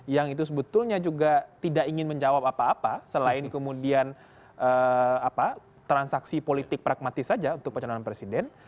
yang itu sebetulnya juga tidak ingin menjawab apa apa selain kemudian transaksi politik pragmatis saja untuk pencalonan presiden